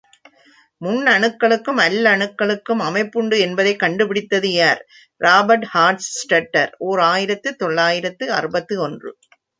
முன்னணுக்களுக்கும் அல்லணுக்களுக்கும் அமைப்புண்டு என்பதைக் கண்டுபிடித்தது யார், இராபர்ட் ஹார்ட்ஸ்டட்டர், ஓர் ஆயிரத்து தொள்ளாயிரத்து அறுபத்தொன்று.